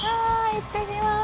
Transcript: いってきます！